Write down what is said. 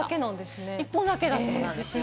１本だけだそうなんですよ。